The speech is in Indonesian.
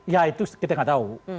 ya itu kita nggak tahu